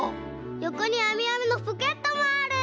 よこにあみあみのポケットもある！